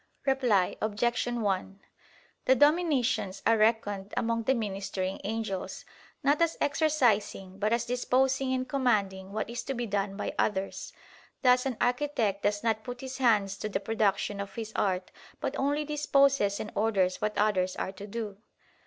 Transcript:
Reply Obj. 1: The Dominations are reckoned among the ministering angels, not as exercising but as disposing and commanding what is to be done by others; thus an architect does not put his hands to the production of his art, but only disposes and orders what others are to do.